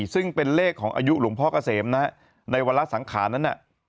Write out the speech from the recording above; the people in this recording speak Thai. ซึ่งเป็นเลขของอายุหลวงพ่อเกษมในวันละสังขารนั้น